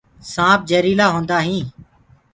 سآنپ جهريٚلآ هوندآ هينٚ۔